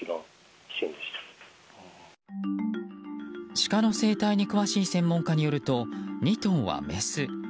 シカの生態に詳しい専門家によると、２頭はメス。